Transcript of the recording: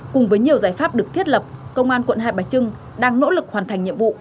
cùng với nhiều giải pháp được thiết lập công an quận hai bà trưng đang nỗ lực hoàn thành nhiệm vụ